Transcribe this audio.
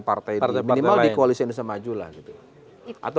partai itu minimal di koalisi indonesia maju lah gitu